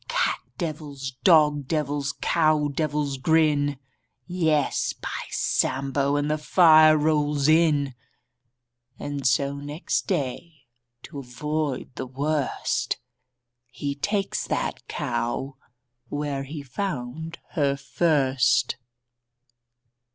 Cat devils, dog devils, cow devils grin — Yes, by Sambo, And the fire rolls in. 870911 100 VACHEL LINDSAY And so, next day, to avoid the worst — He ta'kes that cow Where he found her first.